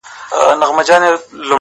• له سېله پاته له پرواز څخه لوېدلی یمه ,